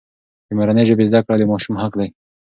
د مورنۍ ژبې زده کړه د ماشوم حق دی.